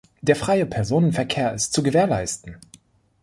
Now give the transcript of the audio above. Der freie Personenverkehr ist zu gewährleisten.